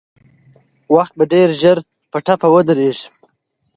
وخت به ډېر ژر په ټپه ودرېږي.